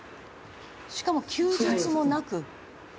しかも休日もなく？